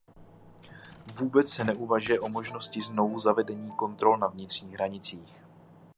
Vůbec se neuvažuje o možnosti znovuzavedení kontrol na vnitřních hranicích.